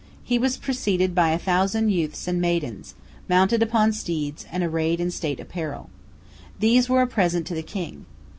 He was preceded by a thousand youths and maidens, mounted upon steeds and arrayed in state apparel. These were a present to the king.